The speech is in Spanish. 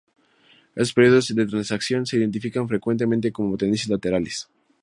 Estos periodos de transición se identifican frecuentemente como tendencias laterales.